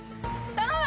・頼む！